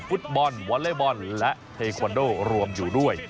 ฟุตบอลวอเล็กบอลและเทควันโดรวมอยู่ด้วย